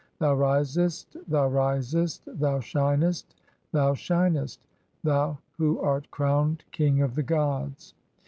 Thou risest, thou risest, thou shinest, "thou shinest, (5) thou who art crowned king of the gods.